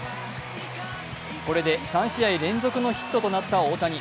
これで３試合連続のヒットとなった大谷。